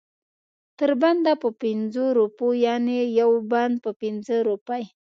تر بنده په پنځو روپو یعنې یو بند په پنځه روپۍ.